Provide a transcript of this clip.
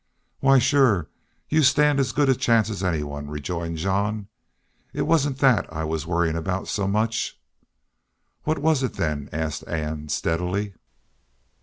"Why, sure you stand as good a chance as anyone," rejoined Jean. "It wasn't that I was worryin' about so much." "What was it, then?" asked Ann, steadily.